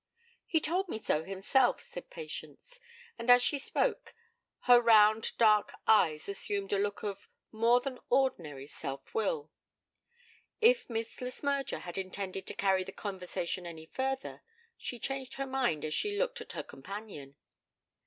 'He told me so himself,' said Patience; and as she spoke her round dark eyes assumed a look of more than ordinary self will. If Miss Le Smyrger had intended to carry the conversation any further she changed her mind as she looked at her companion.